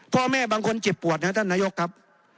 พ่อแม่บางคนเจ็บปวดนะท่านนายกครับ